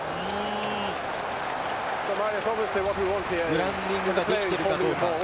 グラウンディングできているかどうか。